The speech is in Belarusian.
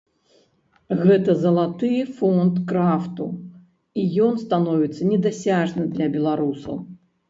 Гэта залаты фонд крафту, і ён становіцца недасяжны для беларусаў!